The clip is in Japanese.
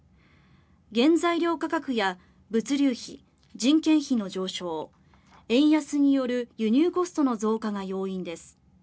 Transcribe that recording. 原材料価格や物流費人件費の上昇円安による輸入コストの増加が要因です。